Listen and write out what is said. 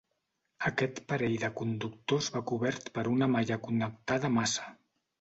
Aquest parell de conductors va cobert per una malla connectada a massa.